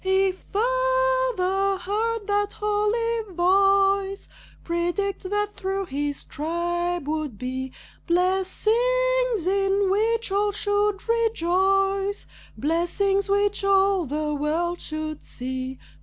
He further heard that holy voice Predict that through his tribe would be Blessings in which all should rejoice, Blessings which all the world should see.